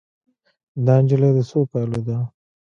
دا نجلۍ د څو کالو ده